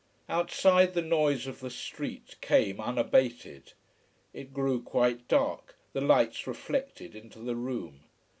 Outside the noise of the street came unabated. It grew quite dark, the lights reflected into the room.